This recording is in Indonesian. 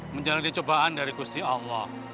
menjalani cobaan dari kursi allah